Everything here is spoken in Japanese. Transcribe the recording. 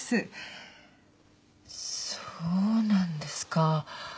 そうなんですか。